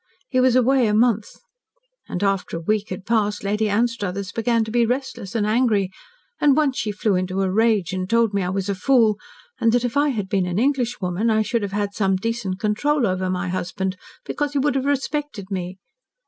He was away a month. And after a week had passed, Lady Anstruthers began to be restless and angry, and once she flew into a rage, and told me I was a fool, and that if I had been an Englishwoman, I should have had some decent control over my husband, because he would have respected me.